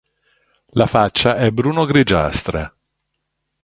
La faccia è bruno-grigiastra.